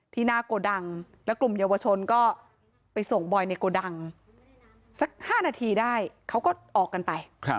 หน้าโกดังแล้วกลุ่มเยาวชนก็ไปส่งบอยในโกดังสัก๕นาทีได้เขาก็ออกกันไป